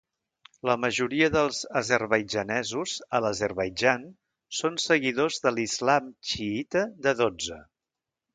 La majoria dels azerbaidjanesos a l'Azerbaidjan són seguidors de l'islam xiïta de Dotze.